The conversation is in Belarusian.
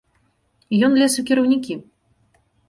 Ён лез у кіраўнікі.